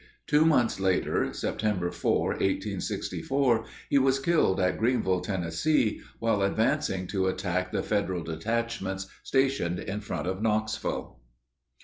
Two months later, September 4, 1864, he was killed at Greeneville, Tennessee, while advancing to attack the Federal detachments stationed in front of Knoxville.